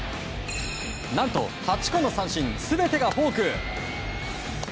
何と８個の三振全てがフォーク。